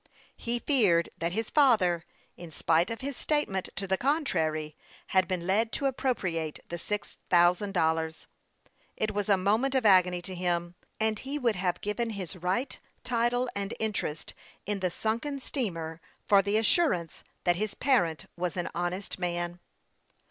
He feared that his father, in spite of his statement to the contrary, had been led to appropriate the six thousand dollars. It was a moment of agony to him, and he would have given his right, title, and interest in the sunken steamer for the assurance that his parent was an honest man.